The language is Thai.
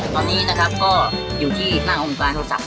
ตอนนี้นะครับก็อยู่ที่หน้าองค์การโทรศักดิ